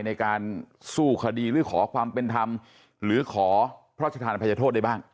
ในการสู้คดีหรือขอความเป็นธรรมหรือขอพระราชทานอภัยโทษได้บ้าง